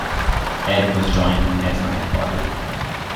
Ed was joined on Ed's Night Party!